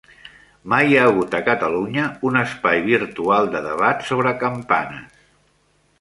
Mai hi ha hagut a Catalunya un espai virtual de debat sobre campanes.